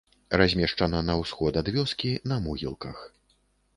Размешчана на ўсход ад вёскі, на могілках.